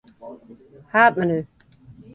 Haadmenu.